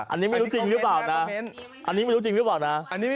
อันนี้ไม่รู้จริงหรือเปล่านะ